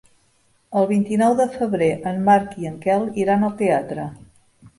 El vint-i-nou de febrer en Marc i en Quel iran al teatre.